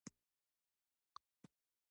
د ښار خلکو وو سل ځله آزمېیلی